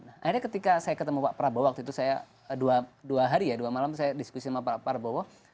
akhirnya ketika saya ketemu pak prabowo waktu itu saya dua hari ya dua malam saya diskusi sama pak prabowo